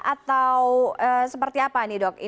atau seperti apa nih dok